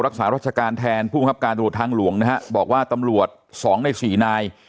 รักษารัชการแทนผู้บังคับการตรวจทางหลวงนะฮะบอกว่าตำรวจสองในสี่นาย